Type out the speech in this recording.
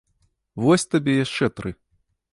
Вось табе яшчэ тры!